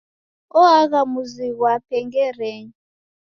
Oagha muzi ghwape Ngerenyi.